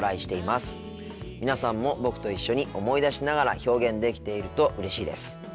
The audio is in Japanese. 皆さんも僕と一緒に思い出しながら表現できているとうれしいです。